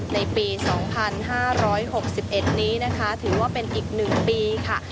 ในปี๒๕๖๑นี้นะคะถือว่าเป็นอีก๑ปีค่ะ